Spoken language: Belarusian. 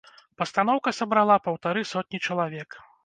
Пастаноўка сабрала паўтары сотні чалавек.